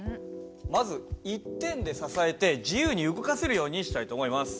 まず１点で支えて自由に動かせるようにしたいと思います。